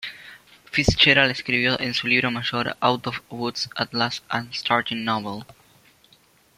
Fitzgerald escribió en su libro mayor, "Out of woods at last and starting novel.